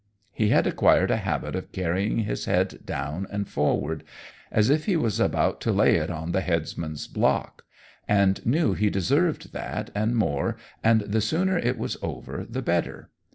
He had acquired a habit of carrying his head down and forward, as if he was about to lay it on the headsman's block, and knew he deserved that and more, and the sooner it was over the better.